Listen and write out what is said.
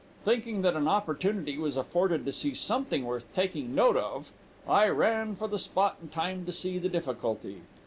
Thinking that an opportunity was afforded to see something worth taking a note of, I ran for the spot in time to see the difficulty.